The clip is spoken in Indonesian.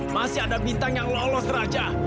masih ada bintang yang lolos raja